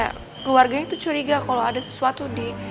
keluarganya itu curiga kalo ada sesuatu